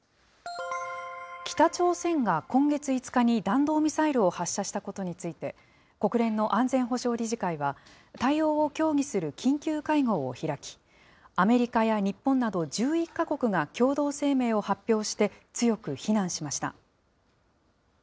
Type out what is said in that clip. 北朝鮮が今月５日に弾道ミサイルを発射したことについて、国連の安全保障理事会は、対応を協議する緊急会合を開き、アメリカや日本など１１か国が共同声明を発表して、強く非難しました。